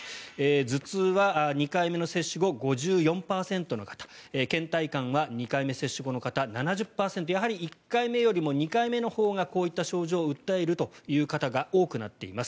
頭痛は２回目の接種後５４％の方けん怠感は２回目接種後の方、７０％やはり１回目よりも２回目のほうがこういった症状を訴えるという方が多くなっています。